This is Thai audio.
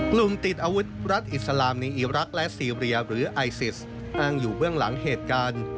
ติดอาวุธรัฐอิสลามในอีรักษ์และซีเรียหรือไอซิสอ้างอยู่เบื้องหลังเหตุการณ์